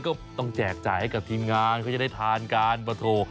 ต้องแจกจ่ายให้กับทีมงานเขาจะได้ทานกันมาโทร